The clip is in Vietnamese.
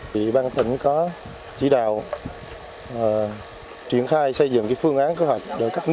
vì ban tỉnh có chỉ đạo truyền khai xây dựng phương án kế hoạch